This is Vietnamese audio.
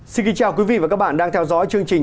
xin kính chào quý vị và các bạn đang theo dõi chương trình